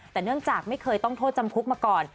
แต่เนื่องจากไม่เคยต้องโทษจำคุกมาก่อน